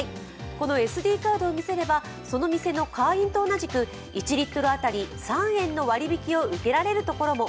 このＳＤカードを見せればそのお店の会員と同じく１リットルあたり３円の割り引きを受けられるところも。